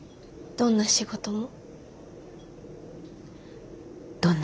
どんな仕事も。